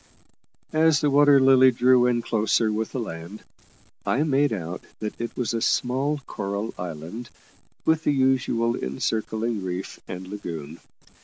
As the Water Lily drew in closer with the land, I made out that it was a small coral island, with the usual encircling reef and lagoon.